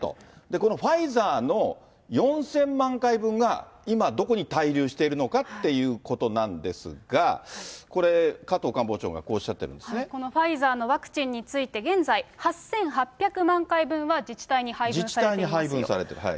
このファイザーの４０００万回分が今、どこに滞留しているのかということなんですが、これ、加藤官房長官、このファイザーのワクチンについて、現在、８８００万回分は自治体に配分されていますよ。